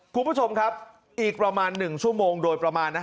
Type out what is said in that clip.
คุณผู้ชมครับอีกประมาณ๑ชั่วโมงโดยประมาณ